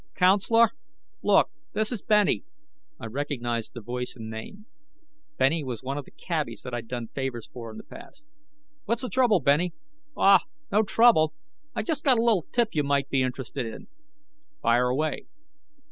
"Counselor? Look, this is Benny." I recognized the voice and name. Benny was one of the cabbies that I'd done favors for in the past. "What's the trouble, Benny?" "Oh, no trouble. I just got a little tip you might be interested in." "Fire away."